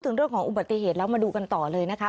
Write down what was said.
เรื่องของอุบัติเหตุแล้วมาดูกันต่อเลยนะคะ